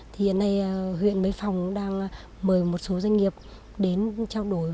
thì hiện nay huyện quế phòng đang mời một số doanh nghiệp đến trao đổi